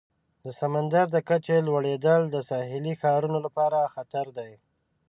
د سمندر د کچې لوړیدل د ساحلي ښارونو لپاره خطر دی.